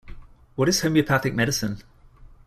What is homeopathic medicine?